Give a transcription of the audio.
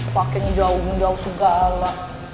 pakin jauh jauh segala